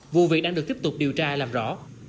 vụ việc đang được tiếp tục điều tra làm rõ